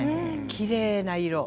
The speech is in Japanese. きれいな色。